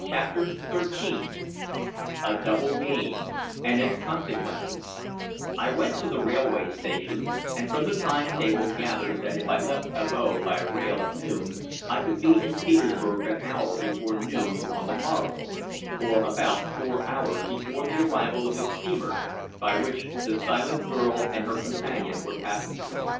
CHAPTER XIII A DOUBLE GAME AND ITS CONSEQUENCES I went to the railway station, and from the time table gathered that if I left Abo by rail at noon I could be in Petersburg an hour before noon on the morrow, or about four hours before the arrival of the steamer by which the silent girl and her companion were passengers.